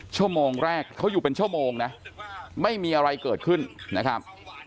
ชั่วโมงแรกเขาอยู่เป็นชั่วโมงนะไม่มีอะไรเกิดขึ้นนะครับ